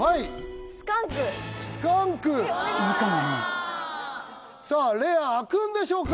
スカンクさあレアあくんでしょうか